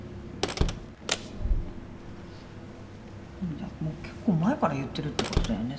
じゃ結構前から言ってるってことだよね